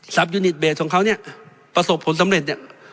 ยูนิตเบสของเขาเนี่ยประสบผลสำเร็จเนี่ย